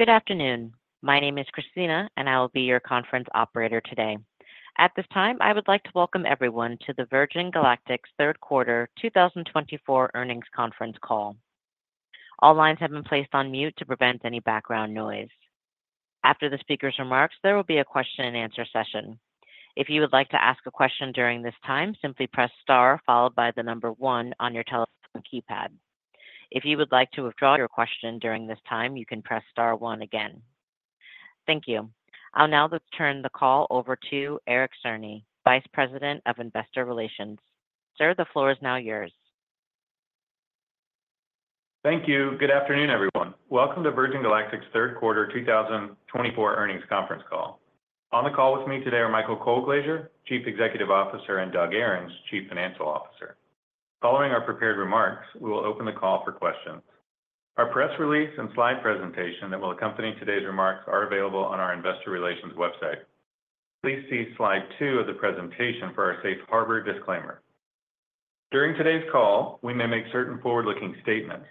Good afternoon. My name is Christina, and I will be your conference operator today. At this time, I would like to welcome everyone to the Virgin Galactic's Third Quarter 2024 Earnings Conference Call. All lines have been placed on mute to prevent any background noise. After the speaker's remarks, there will be a question-and-answer session. If you would like to ask a question during this time, simply press star followed by the number one on your telephone keypad. If you would like to withdraw your question during this time, you can press star one again. Thank you. I'll now turn the call over to Eric Cerny, Vice President of Investor Relations. Sir, the floor is now yours. Thank you. Good afternoon, everyone. Welcome to Virgin Galactic's third quarter 2024 earnings conference call. On the call with me today are Michael Colglazier, Chief Executive Officer, and Doug Ahrens, Chief Financial Officer. Following our prepared remarks, we will open the call for questions. Our press release and slide presentation that will accompany today's remarks are available on our Investor Relations website. Please see slide two of the presentation for our Safe Harbor disclaimer. During today's call, we may make certain forward-looking statements.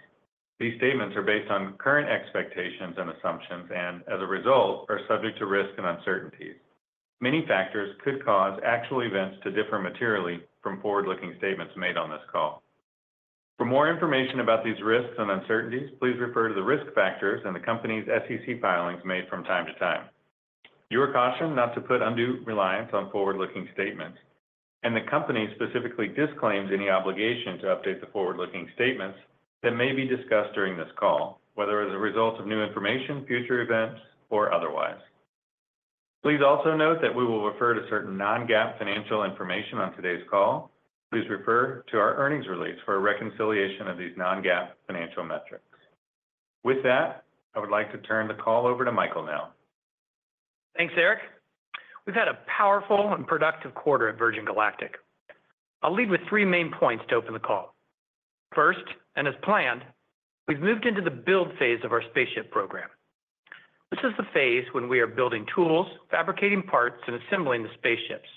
These statements are based on current expectations and assumptions and, as a result, are subject to risk and uncertainties. Many factors could cause actual events to differ materially from forward-looking statements made on this call. For more information about these risks and uncertainties, please refer to the risk factors and the company's SEC filings made from time to time. You are cautioned not to put undue reliance on forward-looking statements, and the company specifically disclaims any obligation to update the forward-looking statements that may be discussed during this call, whether as a result of new information, future events, or otherwise. Please also note that we will refer to certain Non-GAAP financial information on today's call. Please refer to our earnings release for a reconciliation of these Non-GAAP financial metrics. With that, I would like to turn the call over to Michael now. Thanks, Eric. We've had a powerful and productive quarter at Virgin Galactic. I'll lead with three main points to open the call. First, and as planned, we've moved into the build phase of our spaceship program. This is the phase when we are building tools, fabricating parts, and assembling the spaceships.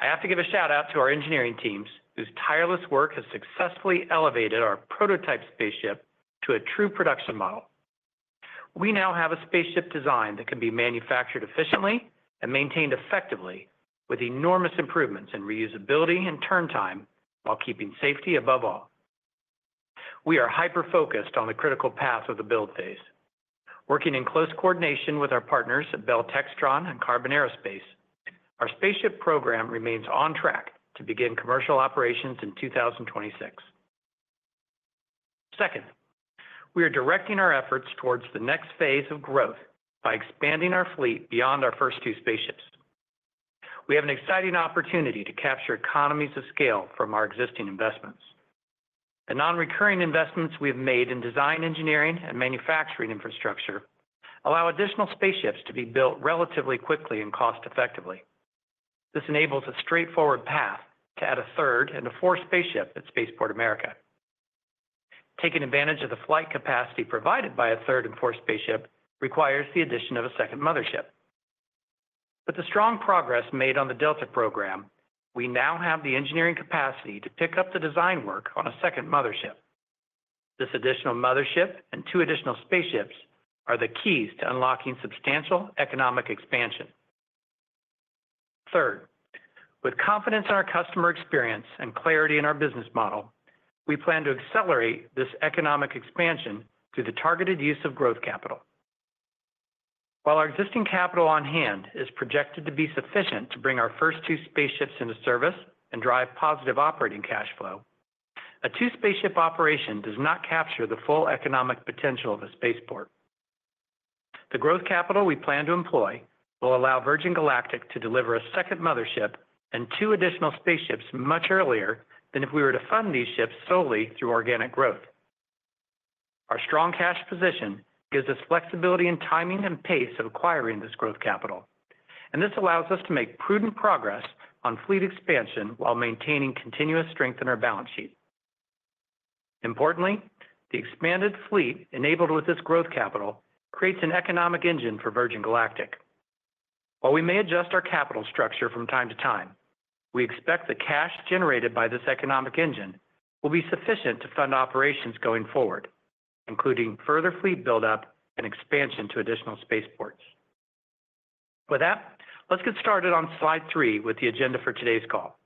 I have to give a shout-out to our engineering teams, whose tireless work has successfully elevated our prototype spaceship to a true production model. We now have a spaceship design that can be manufactured efficiently and maintained effectively, with enormous improvements in reusability and turn time while keeping safety above all. We are hyper-focused on the critical path of the build phase. Working in close coordination with our partners at Bell Textron and Qarbon Aerospace, our spaceship program remains on track to begin commercial operations in 2026. Second, we are directing our efforts towards the next phase of growth by expanding our fleet beyond our first two spaceships. We have an exciting opportunity to capture economies of scale from our existing investments. The non-recurring investments we have made in design, engineering, and manufacturing infrastructure allow additional spaceships to be built relatively quickly and cost-effectively. This enables a straightforward path to add a third and a fourth spaceship at Spaceport America. Taking advantage of the flight capacity provided by a third and fourth spaceship requires the addition of a second mothership. With the strong progress made on the Delta program, we now have the engineering capacity to pick up the design work on a second mothership. This additional mothership and two additional spaceships are the keys to unlocking substantial economic expansion. Third, with confidence in our customer experience and clarity in our business model, we plan to accelerate this economic expansion through the targeted use of growth capital. While our existing capital on hand is projected to be sufficient to bring our first two spaceships into service and drive positive operating cash flow, a two-spaceship operation does not capture the full economic potential of a spaceport. The growth capital we plan to employ will allow Virgin Galactic to deliver a second mothership and two additional spaceships much earlier than if we were to fund these ships solely through organic growth. Our strong cash position gives us flexibility in timing and pace of acquiring this growth capital, and this allows us to make prudent progress on fleet expansion while maintaining continuous strength in our balance sheet. Importantly, the expanded fleet enabled with this growth capital creates an economic engine for Virgin Galactic.While we may adjust our capital structure from time to time, we expect the cash generated by this economic engine will be sufficient to fund operations going forward, including further fleet buildup and expansion to additional spaceports. With that, let's get started on slide three with the agenda for today's call.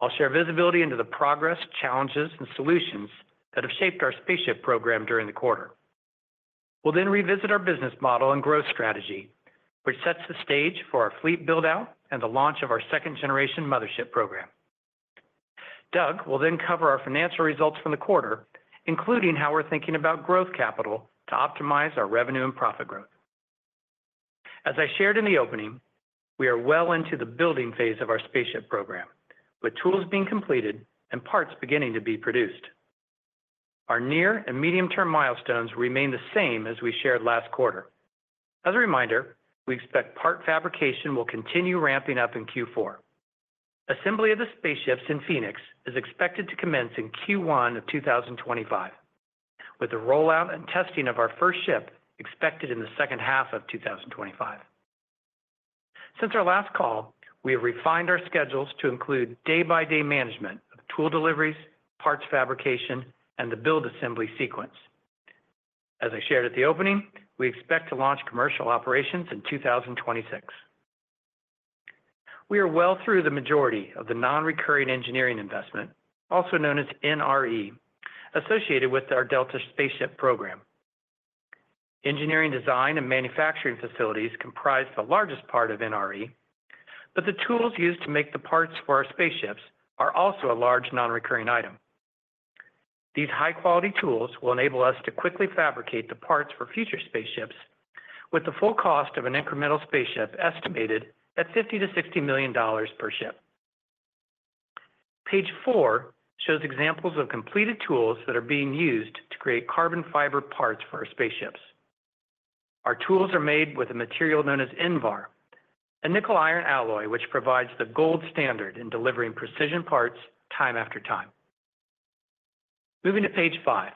I'll share visibility into the progress, challenges, and solutions that have shaped our spaceship program during the quarter. We'll then revisit our business model and growth strategy, which sets the stage for our fleet buildout and the launch of our second-generation mothership program. Doug will then cover our financial results from the quarter, including how we're thinking about growth capital to optimize our revenue and profit growth. As I shared in the opening, we are well into the building phase of our spaceship program, with tools being completed and parts beginning to be produced. Our near and medium-term milestones remain the same as we shared last quarter. As a reminder, we expect part fabrication will continue ramping up in Q4. Assembly of the spaceships in Phoenix is expected to commence in Q1 of 2025, with the rollout and testing of our first ship expected in the second half of 2025. Since our last call, we have refined our schedules to include day-by-day management of tool deliveries, parts fabrication, and the build assembly sequence. As I shared at the opening, we expect to launch commercial operations in 2026. We are well through the majority of the non-recurring engineering investment, also known as NRE, associated with our Delta spaceship program. Engineering design and manufacturing facilities comprise the largest part of NRE, but the tools used to make the parts for our spaceships are also a large non-recurring item. These high-quality tools will enable us to quickly fabricate the parts for future spaceships, with the full cost of an incremental spaceship estimated at $50 million-$60 million per ship. Page four shows examples of completed tools that are being used to create carbon fiber parts for our spaceships. Our tools are made with a material known as Invar, a nickel-iron alloy which provides the gold standard in delivering precision parts time after time. Moving to page five,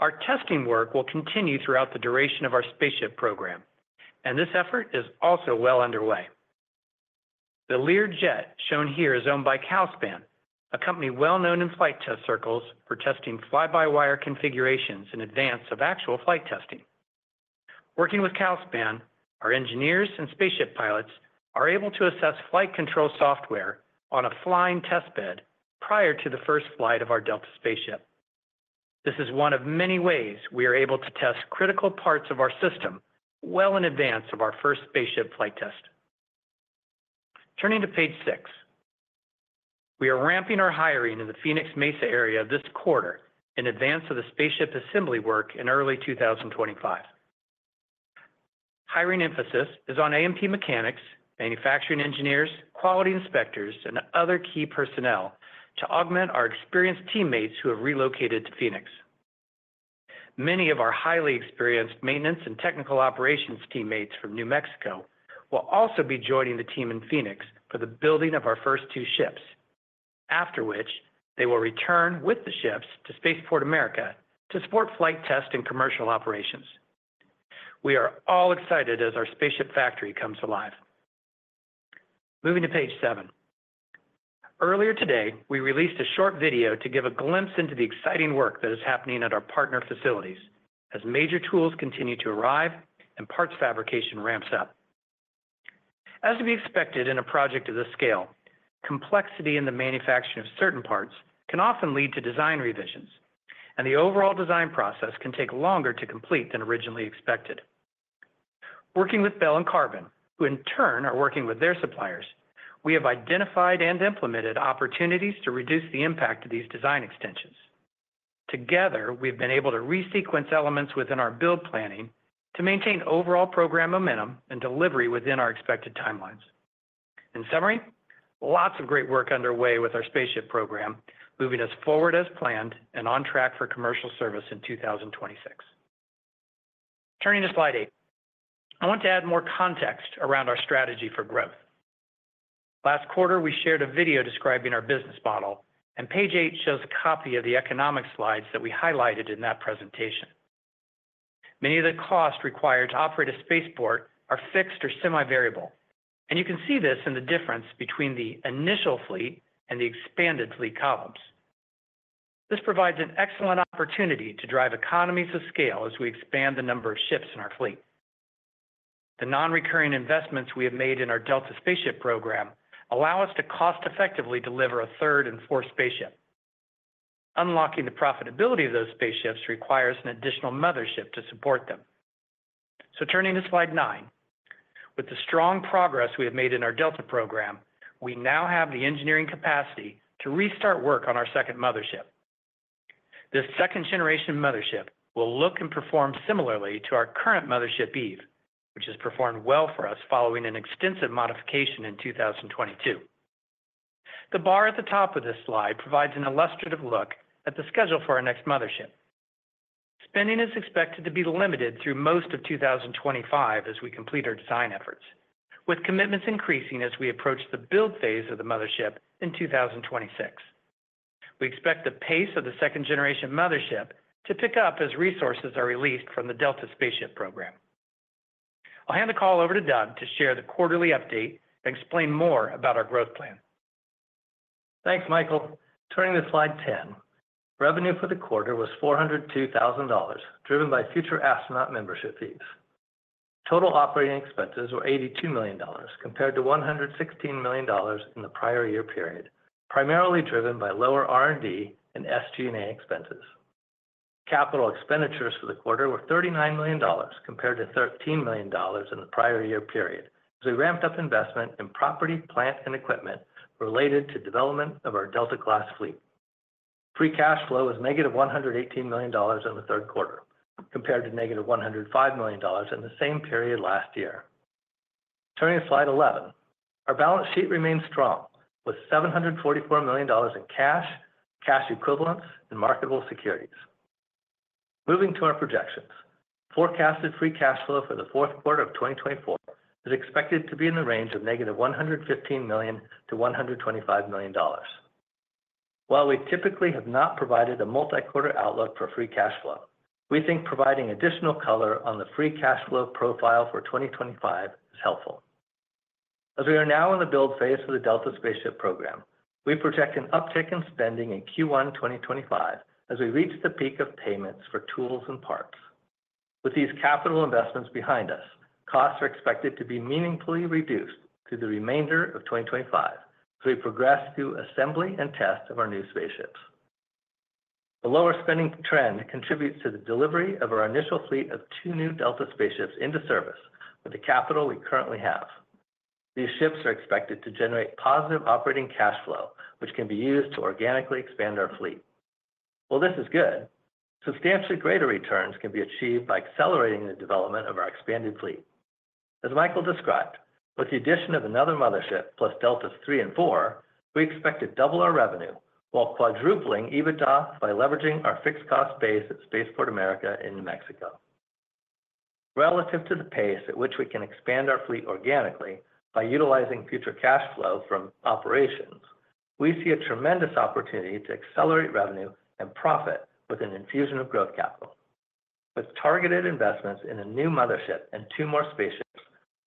our testing work will continue throughout the duration of our spaceship program, and this effort is also well underway. The Learjet shown here is owned by Calspan, a company well known in flight test circles for testing fly-by-wire configurations in advance of actual flight testing. Working with Calspan, our engineers and spaceship pilots are able to assess flight control software on a flying test bed prior to the first flight of our Delta spaceship. This is one of many ways we are able to test critical parts of our system well in advance of our first spaceship flight test. Turning to page six, we are ramping our hiring in the Phoenix Mesa area this quarter in advance of the spaceship assembly work in early 2025. Hiring emphasis is on A&P mechanics, manufacturing engineers, quality inspectors, and other key personnel to augment our experienced teammates who have relocated to Phoenix.Many of our highly experienced maintenance and technical operations teammates from New Mexico will also be joining the team in Phoenix for the building of our first two ships, after which they will return with the ships to Spaceport America to support flight test and commercial operations. We are all excited as our spaceship factory comes alive. Moving to page seven, earlier today, we released a short video to give a glimpse into the exciting work that is happening at our partner facilities as major tools continue to arrive and parts fabrication ramps up. As to be expected in a project of this scale, complexity in the manufacturing of certain parts can often lead to design revisions, and the overall design process can take longer to complete than originally expected. Working with Bell and Carbon, who in turn are working with their suppliers, we have identified and implemented opportunities to reduce the impact of these design extensions. Together, we've been able to resequence elements within our build planning to maintain overall program momentum and delivery within our expected timelines. In summary, lots of great work underway with our spaceship program, moving us forward as planned and on track for commercial service in 2026. Turning to slide eight, I want to add more context around our strategy for growth. Last quarter, we shared a video describing our business model, and page eight shows a copy of the economic slides that we highlighted in that presentation. Many of the costs required to operate a spaceport are fixed or semi-variable, and you can see this in the difference between the initial fleet and the expanded fleet columns. This provides an excellent opportunity to drive economies of scale as we expand the number of ships in our fleet. The non-recurring investments we have made in our Delta spaceship program allow us to cost-effectively deliver a third and fourth spaceship. Unlocking the profitability of those spaceships requires an additional mothership to support them, so turning to slide nine, with the strong progress we have made in our Delta program, we now have the engineering capacity to restart work on our second mothership. This second-generation mothership will look and perform similarly to our current mothership, Eve, which has performed well for us following an extensive modification in 2022. The bar at the top of this slide provides an illustrative look at the schedule for our next mothership. Spending is expected to be limited through most of 2025 as we complete our design efforts, with commitments increasing as we approach the build phase of the mothership in 2026. We expect the pace of the second-generation mothership to pick up as resources are released from the Delta Class spaceship program. I'll hand the call over to Doug to share the quarterly update and explain more about our growth plan. Thanks, Michael. Turning to slide 10, revenue for the quarter was $402,000, driven by Future Astronaut membership fees. Total operating expenses were $82 million, compared to $116 million in the prior year period, primarily driven by lower R&D and SG&A expenses. Capital expenditures for the quarter were $39 million, compared to $13 million in the prior year period, as we ramped up investment in property, plant, and equipment related to development of our Delta-class fleet. Free cash flow was negative $118 million in the third quarter, compared to negative $105 million in the same period last year. Turning to slide 11, our balance sheet remains strong with $744 million in cash, cash equivalents, and marketable securities. Moving to our projections, forecasted free cash flow for the fourth quarter of 2024 is expected to be in the range of negative $115 million-$125 million. While we typically have not provided a multi-quarter outlook for free cash flow, we think providing additional color on the free cash flow profile for 2025 is helpful. As we are now in the build phase of the Delta spaceship program, we project an uptick in spending in Q1 2025 as we reach the peak of payments for tools and parts. With these capital investments behind us, costs are expected to be meaningfully reduced through the remainder of 2025 as we progress through assembly and test of our new spaceships. The lower spending trend contributes to the delivery of our initial fleet of two new Delta spaceships into service with the capital we currently have. These ships are expected to generate positive operating cash flow, which can be used to organically expand our fleet. While this is good, substantially greater returns can be achieved by accelerating the development of our expanded fleet. As Michael described, with the addition of another mothership plus Deltas three and four, we expect to double our revenue while quadrupling EBITDA by leveraging our fixed cost base at Spaceport America in New Mexico. Relative to the pace at which we can expand our fleet organically by utilizing future cash flow from operations, we see a tremendous opportunity to accelerate revenue and profit with an infusion of growth capital. With targeted investments in a new mothership and two more spaceships,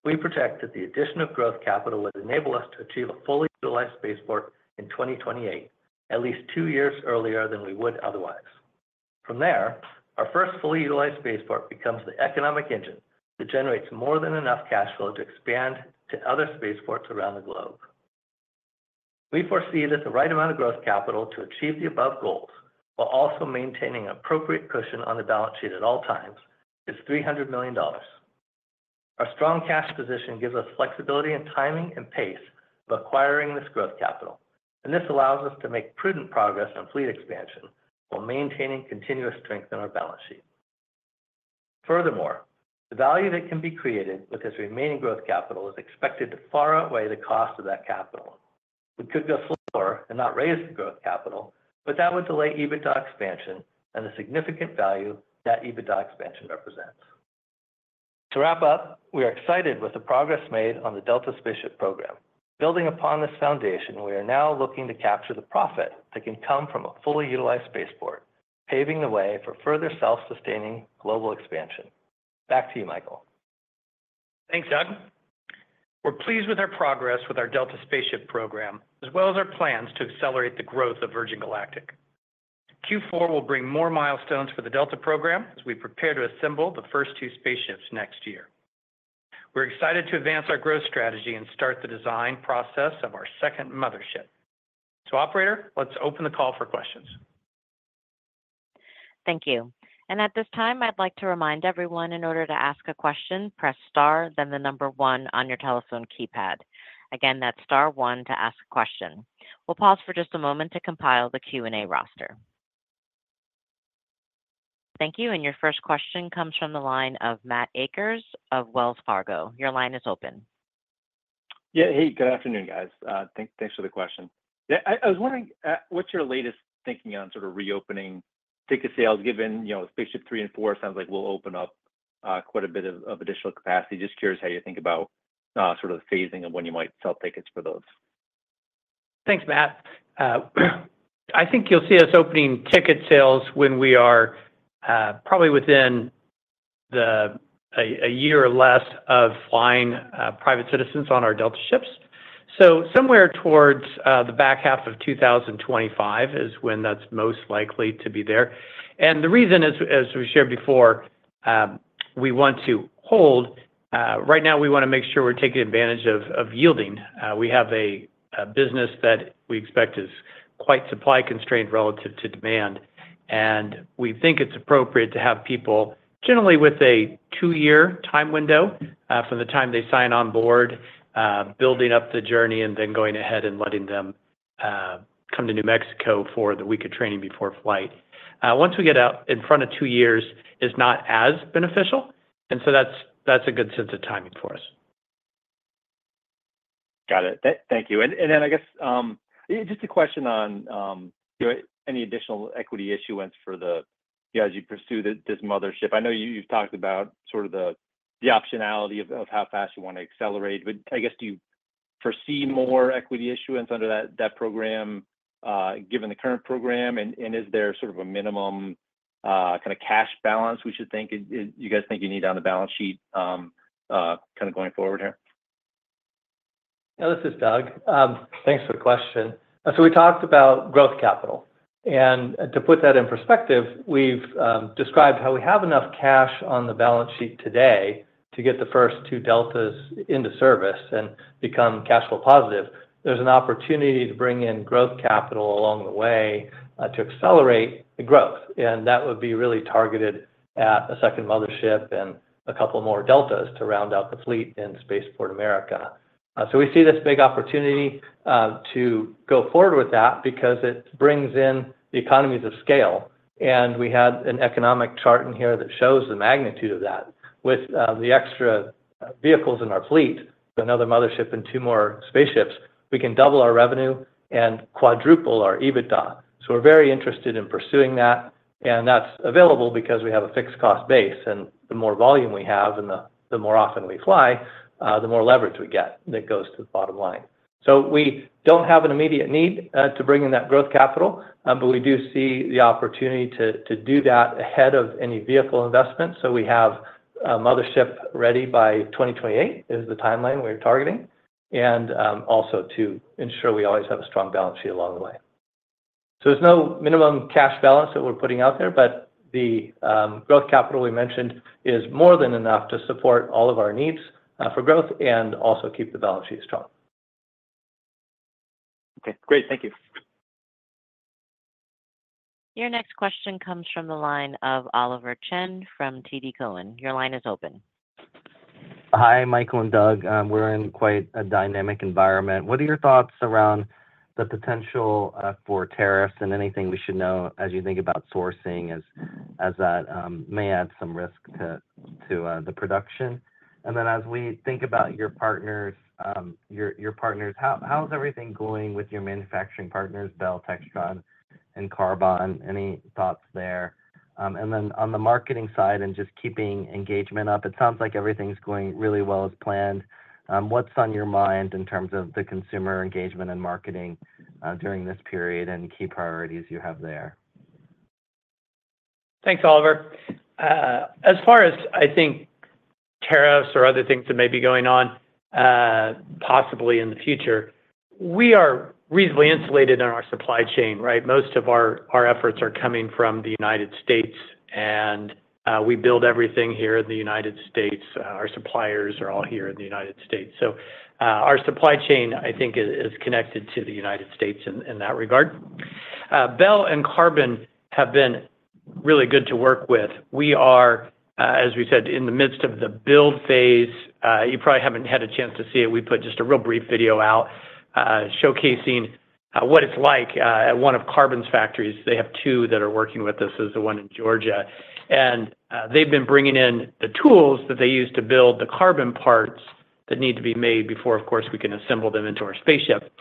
we project that the addition of growth capital would enable us to achieve a fully utilized spaceport in 2028, at least two years earlier than we would otherwise. From there, our first fully utilized spaceport becomes the economic engine that generates more than enough cash flow to expand to other spaceports around the globe. We foresee that the right amount of growth capital to achieve the above goals, while also maintaining an appropriate cushion on the balance sheet at all times, is $300 million. Our strong cash position gives us flexibility in timing and pace of acquiring this growth capital, and this allows us to make prudent progress on fleet expansion while maintaining continuous strength in our balance sheet. Furthermore, the value that can be created with this remaining growth capital is expected to far outweigh the cost of that capital. We could go slower and not raise the growth capital, but that would delay EBITDA expansion and the significant value that EBITDA expansion represents. To wrap up, we are excited with the progress made on the Delta spaceship program. Building upon this foundation, we are now looking to capture the profit that can come from a fully utilized spaceport, paving the way for further self-sustaining global expansion. Back to you, Michael. Thanks, Doug.We're pleased with our progress with our Delta spaceship program, as well as our plans to accelerate the growth of Virgin Galactic. Q4 will bring more milestones for the Delta program as we prepare to assemble the first two spaceships next year. We're excited to advance our growth strategy and start the design process of our second mothership. So, Operator, let's open the call for questions. Thank you. And at this time, I'd like to remind everyone, in order to ask a question, press star, then the number one on your telephone keypad. Again, that's star one to ask a question. We'll pause for just a moment to compile the Q&A roster. Thank you. And your first question comes from the line of Matt Akers of Wells Fargo. Your line is open. Yeah, hey, good afternoon, guys. Thanks for the question. Yeah, I was wondering, what's your latest thinking on sort of reopening ticket sales, given spaceship three and four sounds like will open up quite a bit of additional capacity? Just curious how you think about sort of the phasing of when you might sell tickets for those. Thanks, Matt. I think you'll see us opening ticket sales when we are probably within a year or less of flying private citizens on our Delta ships. So somewhere towards the back half of 2025 is when that's most likely to be there. And the reason is, as we shared before, we want to hold. Right now, we want to make sure we're taking advantage of yielding. We have a business that we expect is quite supply-constrained relative to demand, and we think it's appropriate to have people generally with a two-year time window from the time they sign on board, building up the journey, and then going ahead and letting them come to New Mexico for the week of training before flight. Once we get out in front of two years, it's not as beneficial, and so that's a good sense of timing for us. Got it. Thank you. And then I guess just a question on any additional equity issuance for the, as you pursue this mothership. I know you've talked about sort of the optionality of how fast you want to accelerate, but I guess do you foresee more equity issuance under that program given the current program? And is there sort of a minimum kind of cash balance we should think you guys think you need on the balance sheet kind of going forward here? Yeah, this is Doug. Thanks for the question. So we talked about growth capital. And to put that in perspective, we've described how we have enough cash on the balance sheet today to get the first two Deltas into service and become cash flow positive. There's an opportunity to bring in growth capital along the way to accelerate the growth, and that would be really targeted at a second mothership and a couple more Deltas to round out the fleet in Spaceport America. So we see this big opportunity to go forward with that because it brings in the economies of scale, and we had an economic chart in here that shows the magnitude of that. With the extra vehicles in our fleet, another mothership and two more spaceships, we can double our revenue and quadruple our EBITDA. So we're very interested in pursuing that, and that's available because we have a fixed cost base, and the more volume we have and the more often we fly, the more leverage we get that goes to the bottom line. So we don't have an immediate need to bring in that growth capital, but we do see the opportunity to do that ahead of any vehicle investment. So we have a mothership ready by 2028 is the timeline we're targeting, and also to ensure we always have a strong balance sheet along the way. So there's no minimum cash balance that we're putting out there, but the growth capital we mentioned is more than enough to support all of our needs for growth and also keep the balance sheet strong. Okay, great. Thank you. Your next question comes from the line of Oliver Chen from TD Cowen. Your line is open. Hi, Michael and Doug. We're in quite a dynamic environment. What are your thoughts around the potential for tariffs and anything we should know as you think about sourcing as that may add some risk to the production? And then as we think about your partners, how's everything going with your manufacturing partners, Bell Textron and Qarbon Aerospace? Any thoughts there? And then on the marketing side and just keeping engagement up, it sounds like everything's going really well as planned. What's on your mind in terms of the consumer engagement and marketing during this period and key priorities you have there? Thanks, Oliver. As far as I think tariffs or other things that may be going on possibly in the future, we are reasonably insulated in our supply chain, right? Most of our efforts are coming from the United States, and we build everything here in the United States. Our suppliers are all here in the United States. So our supply chain, I think, is connected to the United States in that regard. Bell and Carbon have been really good to work with. We are, as we said, in the midst of the build phase. You probably haven't had a chance to see it. We put just a real brief video out showcasing what it's like at one of Qarbon's factories. They have two that are working with us, the one in Georgia. They've been bringing in the tools that they use to build the carbon parts that need to be made before, of course, we can assemble them into our spaceship.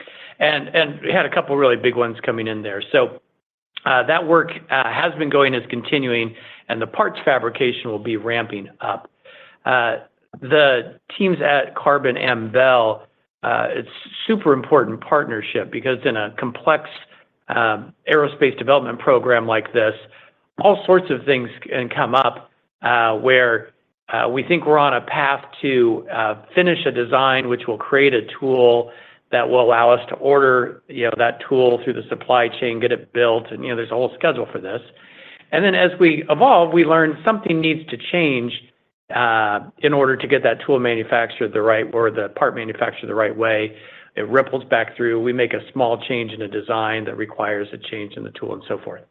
We had a couple of really big ones coming in there. That work has been going as continuing, and the parts fabrication will be ramping up. The teams at Qarbon and Bell form a super important partnership because in a complex aerospace development program like this, all sorts of things can come up where we think we're on a path to finish a design which will create a tool that will allow us to order that tool through the supply chain, get it built, and there's a whole schedule for this. Then as we evolve, we learn something needs to change in order to get that tool manufactured the right or the part manufactured the right way. It ripples back through. We make a small change in a design that requires a change in the tool and so forth.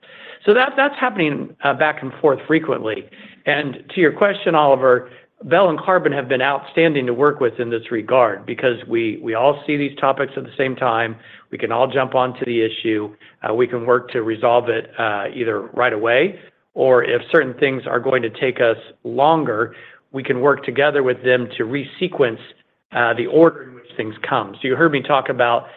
That's happening back and forth frequently. To your question, Oliver, Bell and Carbon have been outstanding to work with in this regard because we all see these topics at the same time. We can all jump onto the issue. We can work to resolve it either right away, or if certain things are going to take us longer, we can work together with them to resequence the order in which things come. You heard me talk about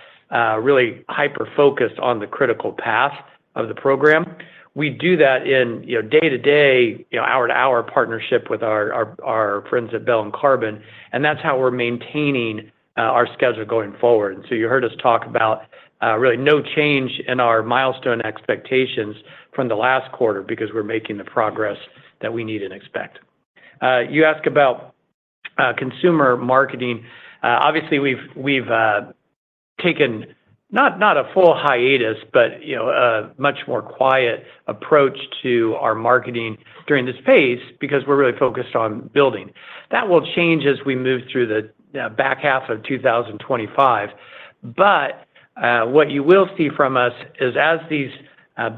really hyper-focused on the critical path of the program. We do that in day-to-day, hour-to-hour partnership with our friends at Bell and Carbon, and that's how we're maintaining our schedule going forward, and so you heard us talk about really no change in our milestone expectations from the last quarter because we're making the progress that we need and expect. You ask about consumer marketing. Obviously, we've taken not a full hiatus, but a much more quiet approach to our marketing during this phase because we're really focused on building. That will change as we move through the back half of 2025. But what you will see from us is as these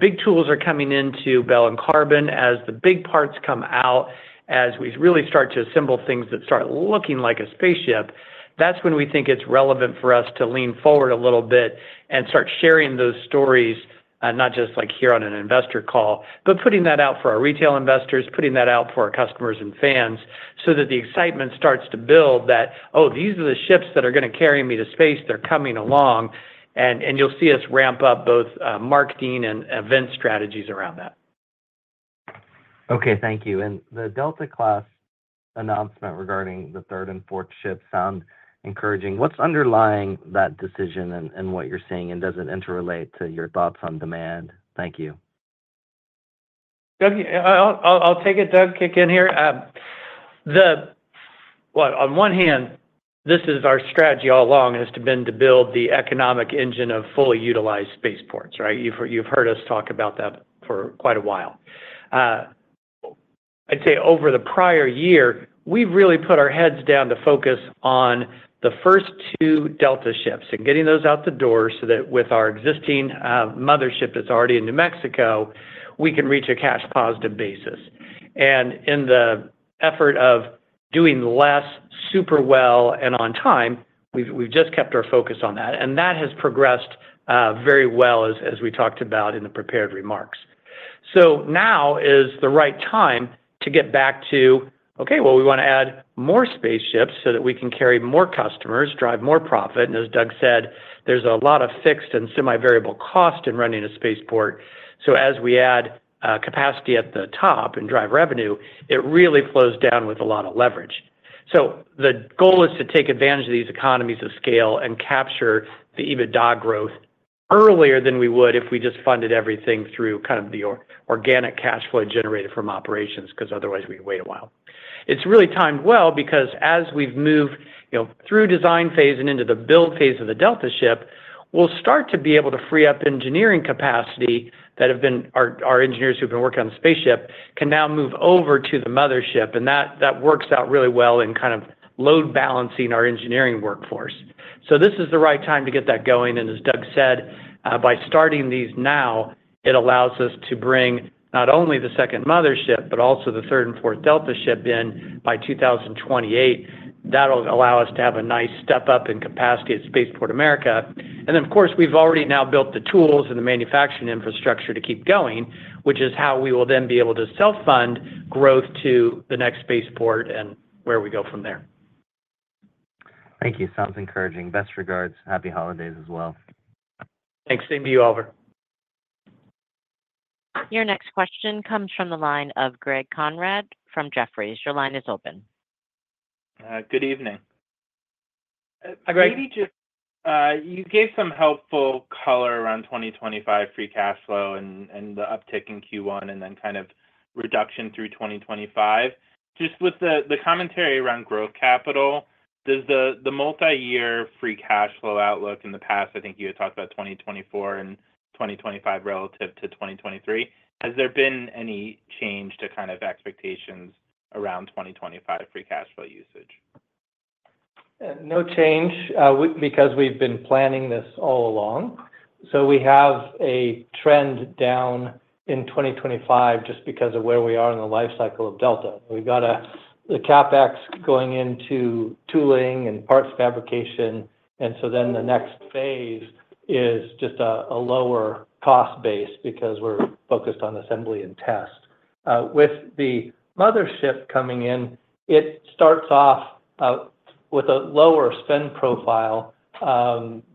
big tools are coming into Bell and Carbon, as the big parts come out, as we really start to assemble things that start looking like a spaceship, that's when we think it's relevant for us to lean forward a little bit and start sharing those stories, not just like here on an investor call, but putting that out for our retail investors, putting that out for our customers and fans so that the excitement starts to build that, "Oh, these are the ships that are going to carry me to space. They're coming along." And you'll see us ramp up both marketing and event strategies around that. Okay, thank you. And the Delta class announcement regarding the third and fourth ships sounds encouraging. What's underlying that decision and what you're seeing, and does it interrelate to your thoughts on demand? Thank you. Doug, I'll take it. Doug, kick in here. On one hand, this is our strategy all along. It has been to build the economic engine of fully utilized spaceports, right? You've heard us talk about that for quite a while. I'd say over the prior year, we've really put our heads down to focus on the first two Delta ships and getting those out the door so that with our existing mothership that's already in New Mexico, we can reach a cash positive basis. In the effort of doing less super well and on time, we've just kept our focus on that. That has progressed very well, as we talked about in the prepared remarks. So now is the right time to get back to, "Okay, well, we want to add more spaceships so that we can carry more customers, drive more profit." And as Doug said, there's a lot of fixed and semi-variable cost in running a spaceport. So as we add capacity at the top and drive revenue, it really flows down with a lot of leverage. So the goal is to take advantage of these economies of scale and capture the EBITDA growth earlier than we would if we just funded everything through kind of the organic cash flow generated from operations because otherwise we'd wait a while.It's really timed well because as we've moved through the design phase and into the build phase of the Delta ship, we'll start to be able to free up engineering capacity that have been our engineers who've been working on the spaceship can now move over to the mothership. And that works out really well in kind of load balancing our engineering workforce. So this is the right time to get that going. And as Doug said, by starting these now, it allows us to bring not only the second mothership, but also the third and fourth Delta ship in by 2028. That'll allow us to have a nice step up in capacity at Spaceport America. And then, of course, we've already now built the tools and the manufacturing infrastructure to keep going, which is how we will then be able to self-fund growth to the next spaceport and where we go from there. Thank you. Sounds encouraging. Best regards. Happy holidays as well. Thanks. Same to you, Oliver. Your next question comes from the line of Greg Conrad from Jefferies. Your line is open. Good evening, Greg. You gave some helpful color around 2025 free cash flow and the uptick in Q1 and then kind of reduction through 2025. Just with the commentary around growth capital, does the multi-year free cash flow outlook in the past, I think you had talked about 2024 and 2025 relative to 2023, has there been any change to kind of expectations around 2025 free cash flow usage? No change because we've been planning this all along. So we have a trend down in 2025 just because of where we are in the life cycle of Delta. We've got the CapEx going into tooling and parts fabrication. And so then the next phase is just a lower cost base because we're focused on assembly and test. With the mothership coming in, it starts off with a lower spend profile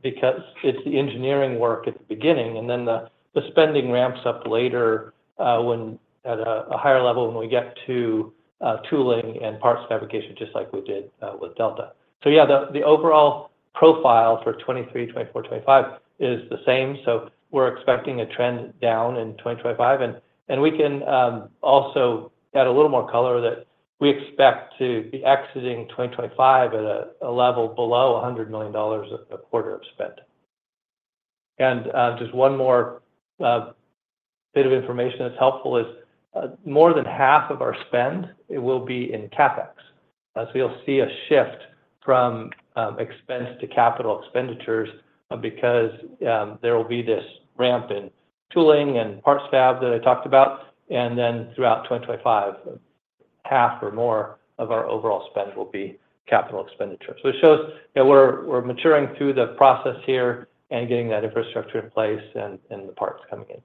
because it's the engineering work at the beginning, and then the spending ramps up later at a higher level when we get to tooling and parts fabrication, just like we did with Delta. So yeah, the overall profile for 2023, 2024, 2025 is the same. So we're expecting a trend down in 2025. And we can also add a little more color that we expect to be exiting 2025 at a level below $100 million a quarter of spend. And just one more bit of information that's helpful is more than half of our spend will be in CapEx. So you'll see a shift from expense to capital expenditures because there will be this ramp in tooling and parts fab that I talked about. And then throughout 2025, half or more of our overall spend will be capital expenditure. So it shows we're maturing through the process here and getting that infrastructure in place and the parts coming in.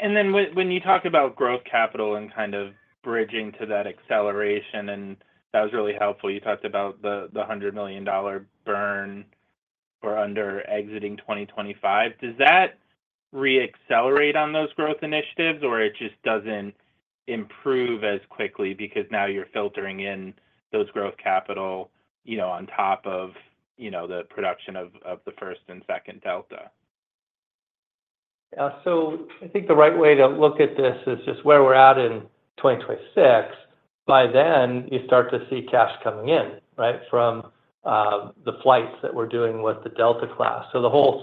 And then when you talk about growth capital and kind of bridging to that acceleration, and that was really helpful, you talked about the $100 million burn or under exiting 2025. Does that re-accelerate on those growth initiatives, or it just doesn't improve as quickly because now you're filtering in those growth capital on top of the production of the first and second Delta? So I think the right way to look at this is just where we're at in 2026. By then, you start to see cash coming in, right, from the flights that we're doing with the Delta class. So the whole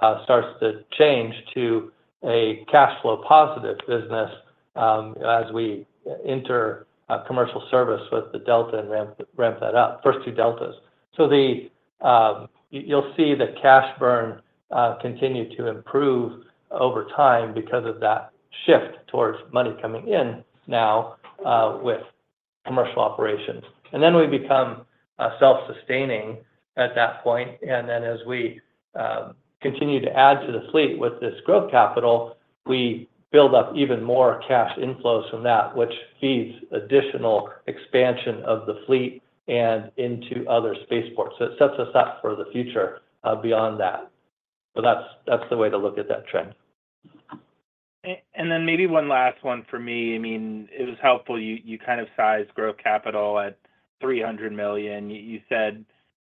thing starts to change to a cash flow positive business as we enter commercial service with the Delta and ramp that up, first two Deltas. So you'll see the cash burn continue to improve over time because of that shift towards money coming in now with commercial operations. And then we become self-sustaining at that point. And then as we continue to add to the fleet with this growth capital, we build up even more cash inflows from that, which feeds additional expansion of the fleet and into other spaceports. So it sets us up for the future beyond that. So that's the way to look at that trend. And then maybe one last one for me. I mean, it was helpful. You kind of sized growth capital at $300 million. You said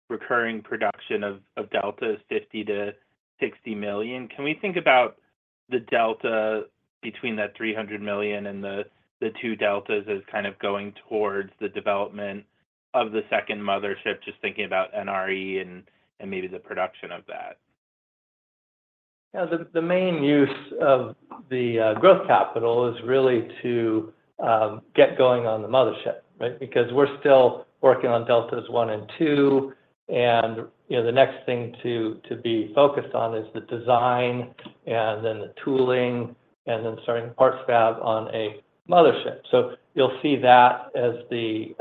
recurring production of Delta is $50 million-$60 million. Can we think about the Delta between that $300 million and the two Deltas as kind of going towards the development of the second mothership, just thinking about NRE and maybe the production of that? Yeah. The main use of the growth capital is really to get going on the mothership, right? Because we're still working on Deltas one and two. And the next thing to be focused on is the design and then the tooling and then starting parts fab on a mothership. So you'll see that as the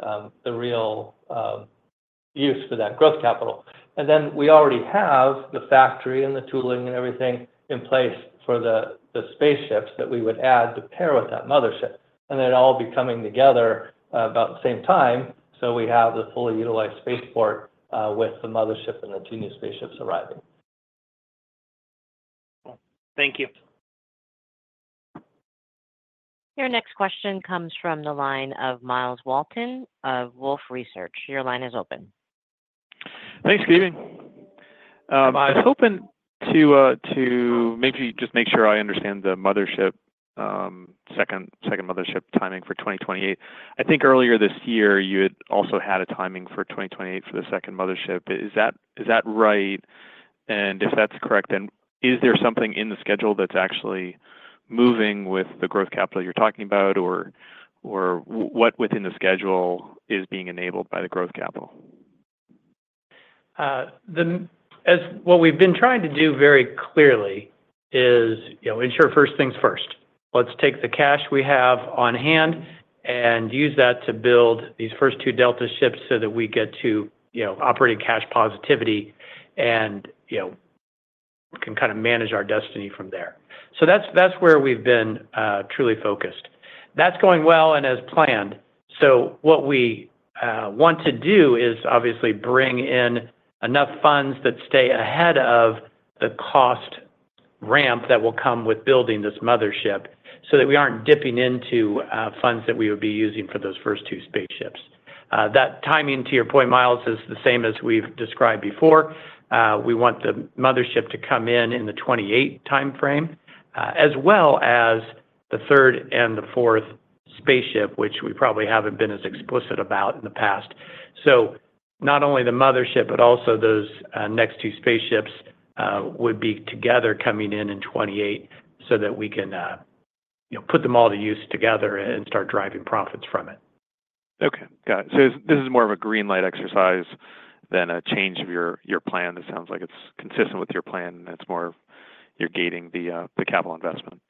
real use for that growth capital. And then we already have the factory and the tooling and everything in place for the spaceships that we would add to pair with that mothership. And they're all becoming together about the same time. So we have the fully utilized spaceport with the mothership and the two new spaceships arriving. Thank you. Your next question comes from the line of Miles Walton of Wolfe Research. Your line is open. Thanks, Stephen. I was hoping to just make sure I understand the second mothership timing for 2028. I think earlier this year, you had also had a timing for 2028 for the second mothership. Is that right? And if that's correct, then is there something in the schedule that's actually moving with the growth capital you're talking about, or what within the schedule is being enabled by the growth capital? What we've been trying to do very clearly is ensure first things first. Let's take the cash we have on hand and use that to build these first two Delta ships so that we get to operating cash positivity and can kind of manage our destiny from there. So that's where we've been truly focused. That's going well and as planned. So what we want to do is obviously bring in enough funds that stay ahead of the cost ramp that will come with building this mothership so that we aren't dipping into funds that we would be using for those first two spaceships. That timing, to your point, Miles, is the same as we've described before. We want the mothership to come in in the 2028 timeframe, as well as the third and the fourth spaceship, which we probably haven't been as explicit about in the past. So not only the mothership, but also those next two spaceships would be together coming in in 2028 so that we can put them all to use together and start driving profits from it. Okay. Got it. So this is more of a green light exercise than a change of your plan. It sounds like it's consistent with your plan, and it's more of you're gating the capital investment.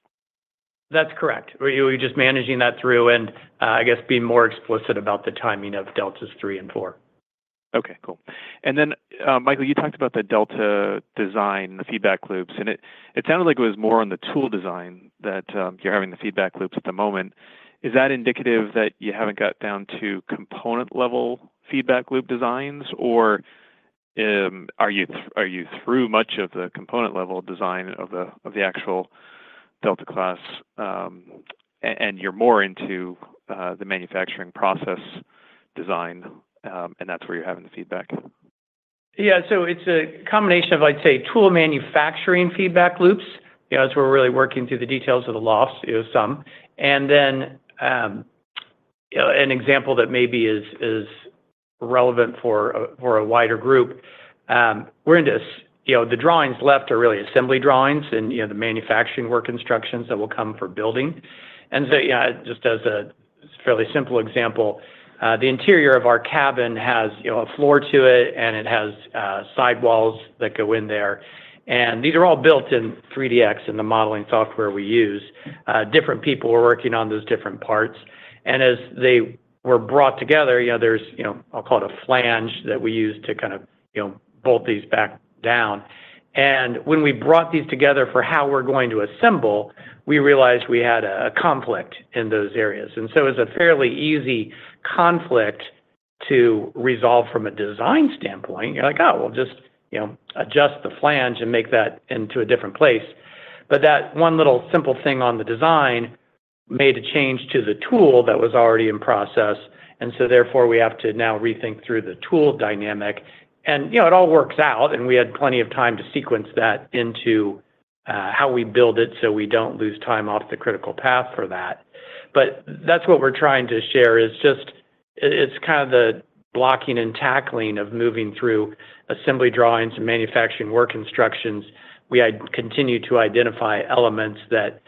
That's correct. We're just managing that through and, I guess, being more explicit about the timing of Deltas three and four. Okay. Cool. And then, Michael, you talked about the Delta design, the feedback loops. And it sounded like it was more on the tool design that you're having the feedback loops at the moment. Is that indicative that you haven't got down to component-level feedback loop designs, or are you through much of the component-level design of the actual Delta class, and you're more into the manufacturing process design, and that's where you're having the feedback? Yeah. So it's a combination of, I'd say, tool manufacturing feedback loops. That's where we're really working through the details of the tools, some. And then an example that maybe is relevant for a wider group, we're into the drawings left are really assembly drawings and the manufacturing work instructions that will come for building. And so just as a fairly simple example, the interior of our cabin has a floor to it, and it has sidewalls that go in there. And these are all built in 3DX and the modeling software we use. Different people were working on those different parts. And as they were brought together, there's, I'll call it a flange that we use to kind of bolt these back down. And when we brought these together for how we're going to assemble, we realized we had a conflict in those areas. And so it was a fairly easy conflict to resolve from a design standpoint. You're like, "Oh, we'll just adjust the flange and make that into a different place." But that one little simple thing on the design made a change to the tool that was already in process. And so therefore, we have to now rethink through the tool dynamic. And it all works out, and we had plenty of time to sequence that into how we build it so we don't lose time off the critical path for that. But that's what we're trying to share is just it's kind of the blocking and tackling of moving through assembly drawings and manufacturing work instructions. We continue to identify elements that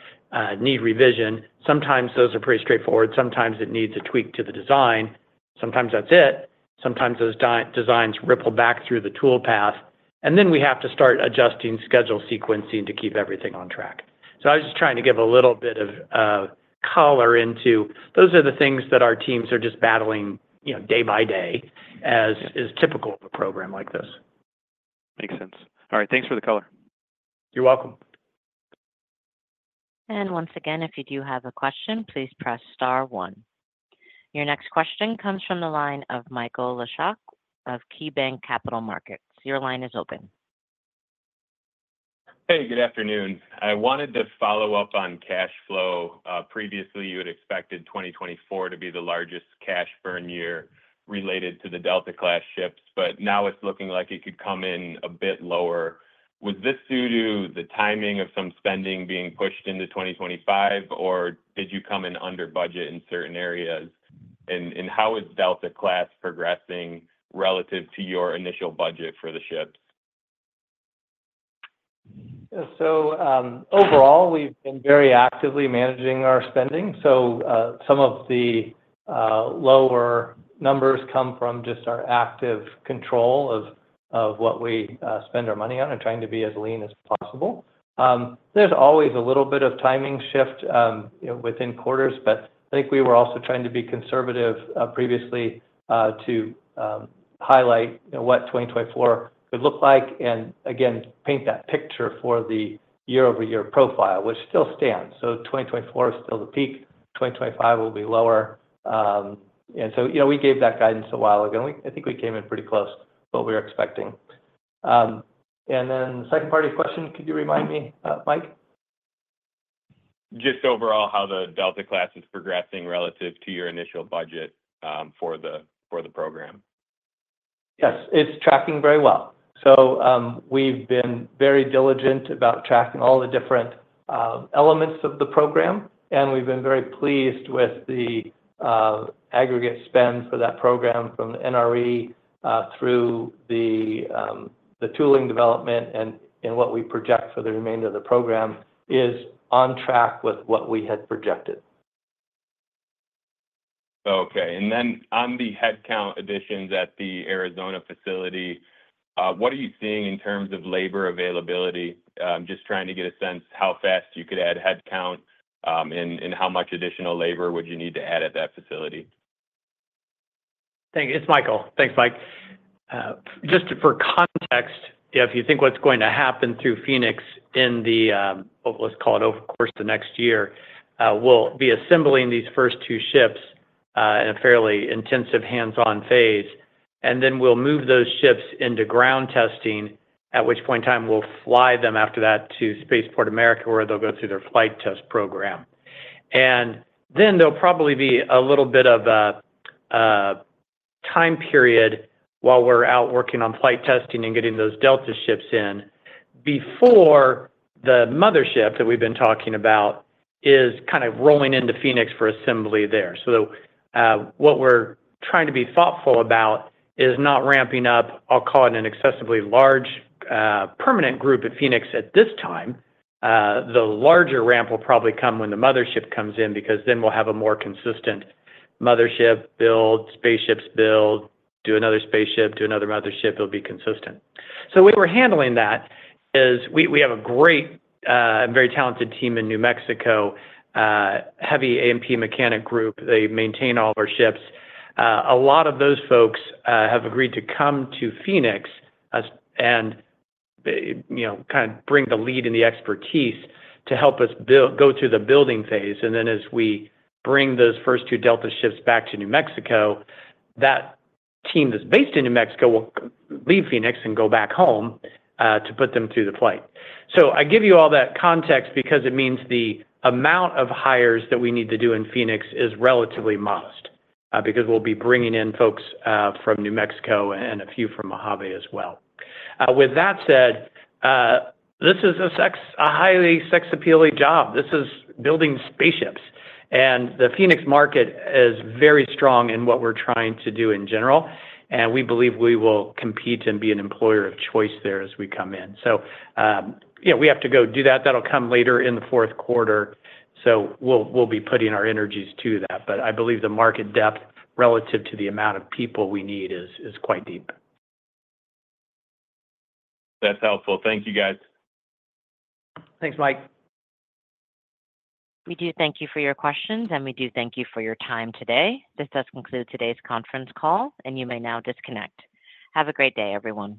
need revision. Sometimes those are pretty straightforward. Sometimes it needs a tweak to the design. Sometimes that's it. Sometimes those designs ripple back through the tool path. And then we have to start adjusting schedule sequencing to keep everything on track. So I was just trying to give a little bit of color into those are the things that our teams are just battling day by day as is typical of a program like this. Makes sense. All right. Thanks for the color. You're welcome. And once again, if you do have a question, please press star one. Your next question comes from the line of Michael Leshock of KeyBank Capital Markets. Your line is open. Hey, good afternoon.I wanted to follow up on cash flow. Previously, you had expected 2024 to be the largest cash burn year related to the Delta class ships, but now it's looking like it could come in a bit lower. Was this due to the timing of some spending being pushed into 2025, or did you come in under budget in certain areas? And how is Delta class progressing relative to your initial budget for the ships? So overall, we've been very actively managing our spending. So some of the lower numbers come from just our active control of what we spend our money on and trying to be as lean as possible. There's always a little bit of timing shift within quarters, but I think we were also trying to be conservative previously to highlight what 2024 could look like and, again, paint that picture for the year-over-year profile, which still stands, so 2024 is still the peak. 2025 will be lower, and so we gave that guidance a while ago.I think we came in pretty close to what we were expecting, and then the second part of your question, could you remind me, Mike? Just overall, how the Delta class is progressing relative to your initial budget for the program. Yes. It's tracking very well. So we've been very diligent about tracking all the different elements of the program, and we've been very pleased with the aggregate spend for that program from the NRE through the tooling development. And what we project for the remainder of the program is on track with what we had projected. Okay. And then on the headcount additions at the Arizona facility, what are you seeing in terms of labor availability? Just trying to get a sense how fast you could add headcount and how much additional labor would you need to add at that facility? Thank you. It's Michael. Thanks, Mike. Just for context, if you think what's going to happen through Phoenix in the, let's call it over the course of the next year, we'll be assembling these first two ships in a fairly intensive hands-on phase. And then we'll move those ships into ground testing, at which point in time we'll fly them after that to Spaceport America, where they'll go through their flight test program. There'll probably be a little bit of a time period while we're out working on flight testing and getting those Delta ships in before the mothership that we've been talking about is kind of rolling into Phoenix for assembly there. What we're trying to be thoughtful about is not ramping up. I'll call it an excessively large permanent group at Phoenix at this time. The larger ramp will probably come when the mothership comes in because then we'll have a more consistent mothership build, spaceships build, do another spaceship, do another mothership. It'll be consistent. The way we're handling that is we have a great and very talented team in New Mexico, heavy A&P mechanic group. They maintain all of our ships. A lot of those folks have agreed to come to Phoenix and kind of bring the leadership and the expertise to help us go through the building phase, and then as we bring those first two Delta ships back to New Mexico, that team that's based in New Mexico will leave Phoenix and go back home to put them through the flight, so I give you all that context because it means the amount of hires that we need to do in Phoenix is relatively modest because we'll be bringing in folks from New Mexico and a few from Mojave as well. With that said, this is a highly sex-appealing job. This is building spaceships. The Phoenix market is very strong in what we're trying to do in general, and we believe we will compete and be an employer of choice there as we come in. So yeah, we have to go do that. That'll come later in the fourth quarter. So we'll be putting our energies to that. But I believe the market depth relative to the amount of people we need is quite deep. That's helpful. Thank you, guys. Thanks, Mike. We do thank you for your questions, and we do thank you for your time today. This does conclude today's conference call, and you may now disconnect. Have a great day, everyone.